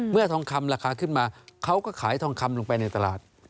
ทองคำราคาขึ้นมาเขาก็ขายทองคำลงไปในตลาด